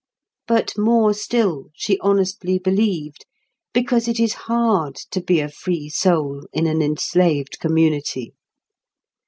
But more still, she honestly believed, because it is hard to be a free soul in an enslaved community.